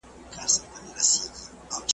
بل ته پاته سي که زر وي که دولت وي .